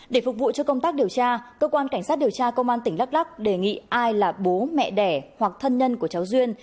để phục vụ cho công tác điều tra cơ quan cảnh sát điều tra công an tỉnh đắk lắc đề nghị ai là bố mẹ đẻ hoặc thân nhân của cháu duyên